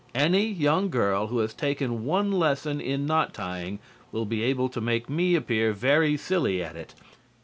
Any young girl who has taken one lesson in knot tying will be able to make me appear very silly at it.